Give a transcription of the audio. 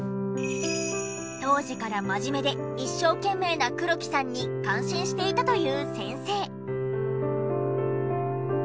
当時から真面目で一生懸命な黒木さんに感心していたという先生。